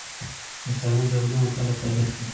پښتانه زرګونه کاله تاريخ لري.